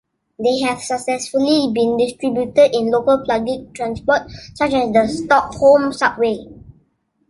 They have successfully been distributed in local public transport, such as the Stockholm subway.